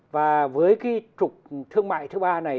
và với trục thương mại thứ ba này